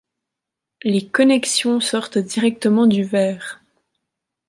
Les connexions sortent directement du verre.